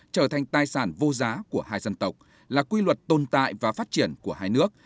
trở thành tài sản vô giá của hai dân tộc là quy luật tồn tại và phát triển của hai nước